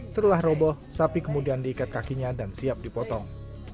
setelah roboh sapi kemudian diikat kakinya dan siap dipotong